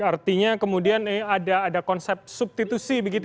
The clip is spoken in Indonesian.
artinya kemudian ada konsep substitusi begitu